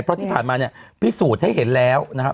เพราะที่ผ่านมาพิสูจน์ให้เห็นแล้ว